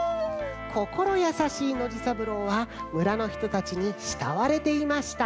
こころやさしいノジさぶろうはむらのひとたちにしたわれていました。